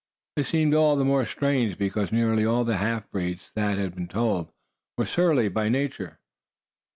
This seemed all the more strange because nearly all half breeds, Thad had been told, were surly by nature.